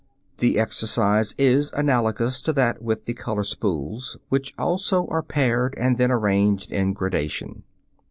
The exercise is analogous to that with the color spools, which also are paired and then arranged in gradation.